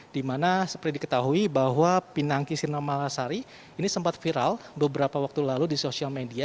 dimana seperti diketahui bahwa pinangki sirna malasari ini sempat viral beberapa waktu lalu di sosial media